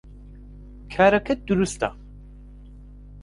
کارەکەت دروستە